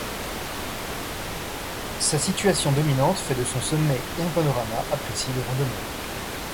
Sa situation dominante fait de son sommet un panorama apprécié des randonneurs.